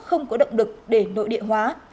không có động lực để nội địa hóa